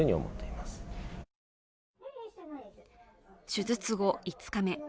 手術後５日目。